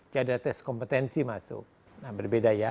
jadi ada tes kompetensi masuk nah berbeda ya